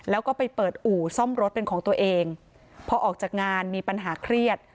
แล้วก็ไปเปิดอู่ซ่อมรถเป็นของตัวเองพอออกจากงานมีปัญหาเครียด